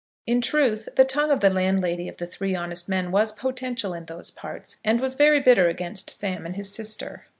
In truth, the tongue of the landlady of the Three Honest Men was potential in those parts, and was very bitter against Sam and his sister.